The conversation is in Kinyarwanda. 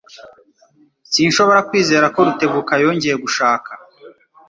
Sinshobora kwizera ko Rutebuka yongeye gushaka.